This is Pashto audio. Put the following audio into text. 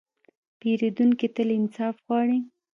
پیرودونکی تل انصاف غواړي.